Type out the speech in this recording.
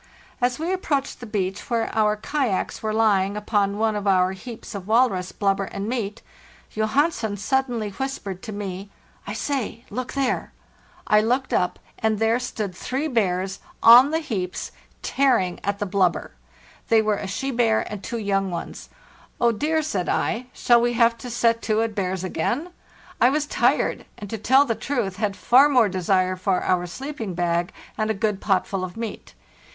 As we ap proached the beach where our kayaks were lying upon one of our heaps of walrus blubber and meat, Johan sen suddenly whispered to me, "I say, look there!" I 424 FARTHEST NORTH looked up, and there stood three bears on the heaps, tearing at the blubber. They were a she bear and two young ones. "Oh dear!" said I; "shall we have to set to at bears again?" I was tired, and, to tell the truth, had far more desire for our sleeping bag and a good potful of meat.